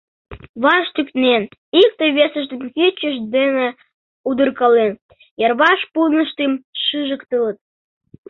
Ваш тӱкнен, икте-весыштым кӱчышт дене удыркален, йырваш пуныштым шыжыктылыт.